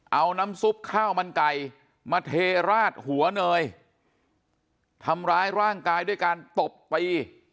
เอาน้ำซุปข้าวมันไก่มาเทราดหัวเนยทำร้ายร่างกายด้วยการตบตี